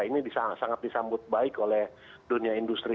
ini sangat disambut baik oleh dunia industri